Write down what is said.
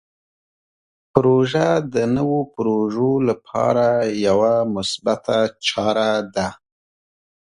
پروژه د نوو پروژو لپاره یوه مثبته چاره ده.